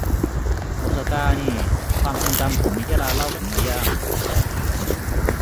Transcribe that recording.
โอซาก้านี่ความทรงจำผมมีแค่ร้านเหล้ากับเนื้อย่าง